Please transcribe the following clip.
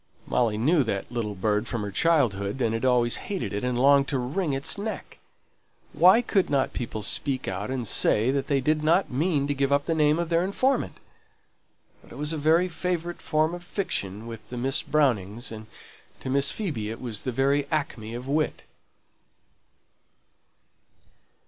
Molly knew that little bird from her childhood, and had always hated it, and longed to wring its neck. Why could not people speak out and say that they did not mean to give up the name of their informant? But it was a very favourite form of fiction with the Miss Brownings, and to Miss Phoebe it was the very acme of wit.